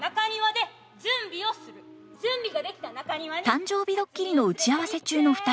誕生日ドッキリの打ち合わせ中の２人。